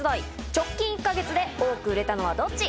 直近１ヶ月で多く売れたのはどっち？